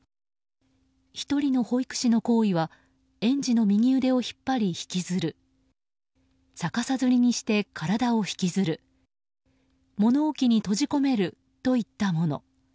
１人の保育士の行為は園児の右腕を引っ張り、引きずる逆さづりにして体を引きずる物置に閉じ込めるといったもの。